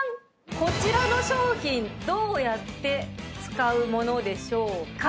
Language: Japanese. こちらの商品どうやって使う物でしょうか？